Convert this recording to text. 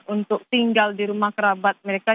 untuk tinggal di rumah kerabat mereka